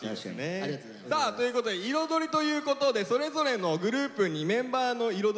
さあということで「彩り」ということでそれぞれのグループにメンバーの彩りを聞いていきたいと思います。